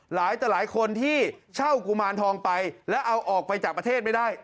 หลายคนที่เช่ากุมารทองไปแล้วเอาออกไปจากประเทศไม่ได้